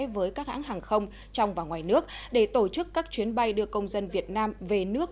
với các hãng hàng không trong và ngoài nước để tổ chức các chuyến bay đưa công dân việt nam về nước